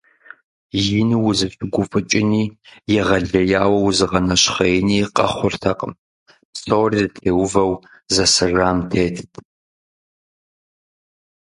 Ину узыщыгуфӏыкӏыни егъэлеяуэ узыгъэнэщхъеини къэхъуртэкъым, псори зытеувэу зэсэжам тетт.